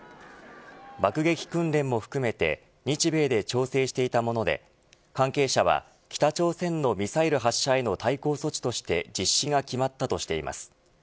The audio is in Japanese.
爆撃訓練も含めて日米で調整していたもので関係者は北朝鮮のミサイル発射への対抗措置として実施が決まったとしています。